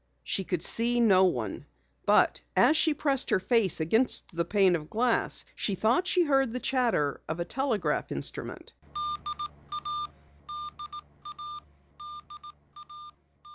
She could see no one. But as she pressed her face against the pane of glass she thought she heard the chatter of a telegraph instrument.